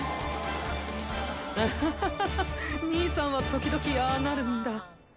アハハハ兄さんは時々ああなるんだ。